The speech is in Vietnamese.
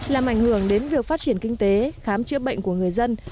làm ảnh hưởng đến việc phát triển kinh tế khám chữa bệnh của người dân